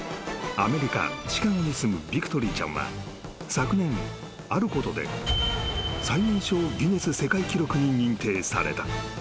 ［アメリカシカゴに住むビクトリーちゃんは昨年あることで最年少ギネス世界記録に認定された］